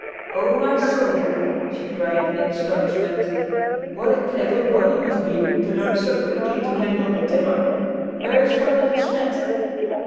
"Oh, my soul!" she cried in astonishment. "What a clever boy you must be to learn so quickly to handle the tiller. Where is Father De Smet?"